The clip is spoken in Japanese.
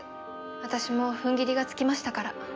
私も踏ん切りがつきましたから。